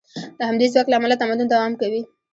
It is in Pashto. د همدې ځواک له امله تمدن دوام کوي.